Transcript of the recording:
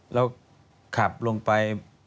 แล้วขับลงไป